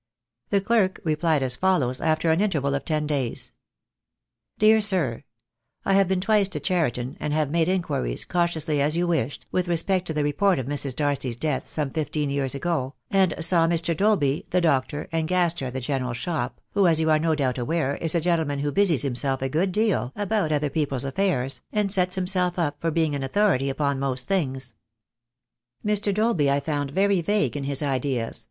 The clerk replied as follows, after an interval of ten days: — "Dear Sir, — I have been twice to Cheriton, and have made inquiries, cautiously as you wished, with respect to the report of Mrs. Darcy's death, some fifteen years ago, and saw Mr. Dolby, the doctor, and Gaster at the general shop, who, as you are no doubt aware, is a gentleman who busies himself a good deal about other people's THE DAY WILL COME. 239 affairs, and sets himself up for being an authority upon most things. "Mr. Dolby I found very vague in his ideas.